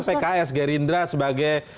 pks gerindra sebagai